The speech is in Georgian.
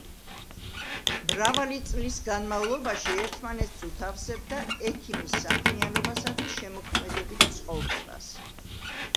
მრავალი წლის განმავლობაში ერთმანეთს უთავსებდა ექიმის საქმიანობასა და შემოქმედებით ცხოვრებას.